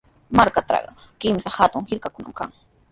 Markaatrawqa kimsa hatun hirkakunami kan.